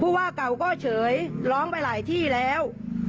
ว่าเก่าก็เฉยร้องไปหลายที่แล้ว